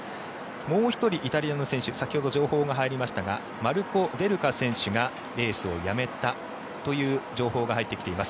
もう１人、イタリアの選手先ほど情報が入りましたがマルコ・デ・ルカ選手がレースをやめたという情報が入ってきています。